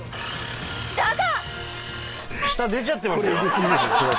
［だが］